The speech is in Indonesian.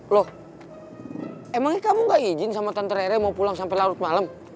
loh emangnya kamu gak izin sama tante rere mau pulang sampe larut malem